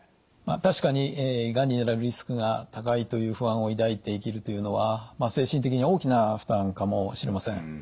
確かにがんになるリスクが高いという不安を抱いて生きるというのは精神的に大きな負担かもしれません。